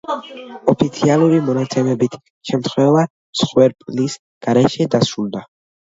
ოფიციალური მონაცემებით შემთხვევა მსხვერპლის გარეშე დასრულდა.